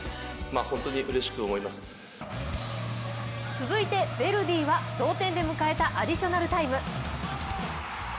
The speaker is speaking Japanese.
続いてヴェルディは同点で迎えたアディショナルタイム。